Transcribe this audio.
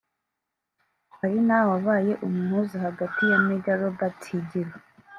ari nawe wabaye umuhuza hagati ya Major Robert Higiro